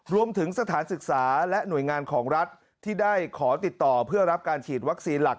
รวมถึงสถานศึกษาและหน่วยงานของรัฐที่ได้ขอติดต่อเพื่อรับการฉีดวัคซีนหลัก